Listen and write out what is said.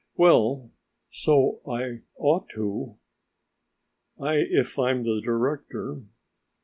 "Well so I ought to, if I'm the director."